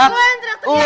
lo yang teriak teriak